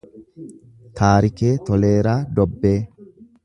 Taarikee Toleeraa Dobbee